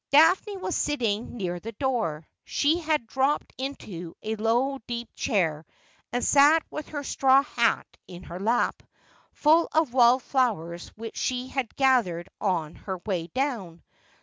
Daphne was sitting near the door. She had dropped into a low deep chair, and sat with her straw hat in her lap, full of wild flowers which she had gathered on her way down.